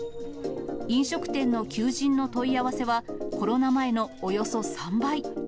飲食店の求人の問い合わせは、コロナ前のおよそ３倍。